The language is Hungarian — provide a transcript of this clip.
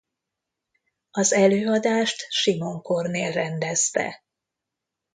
Az előadást Simon Kornél rendezte.